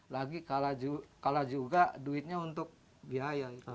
lagi kalah juga duitnya untuk biaya